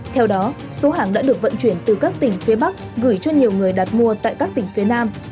theo đó số hàng đã được vận chuyển từ các tỉnh phía bắc gửi cho nhiều người đặt mua tại các tỉnh phía nam